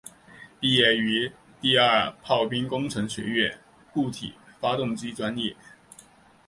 毕业于第二炮兵工程学院固体发动机专业。